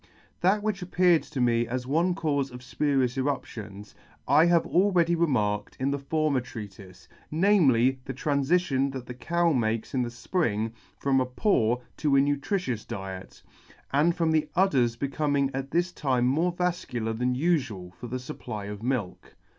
That which appeared to me as one caufe of fpurious eruptions, I have already remarked in the former Treatife, namely, the tranfition that the Cow makes in the fpring from a poor to a nutritious diet, and from the udder's becoming at this time more [ 7 « 1 more vafcular than ufual for the fupply of milk.